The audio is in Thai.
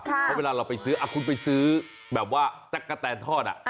เพราะเวลาเราไปซื้อคุณไปซื้อแบบว่าตั๊กกะแตนทอด